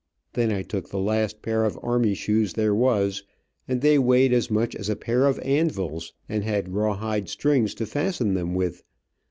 Then I took the last pair of army shoes there was, and they weighed as much as a pair of anvils, and had raw hide strings to fasten them with.